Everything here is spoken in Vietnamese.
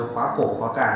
khóa cổ khóa càng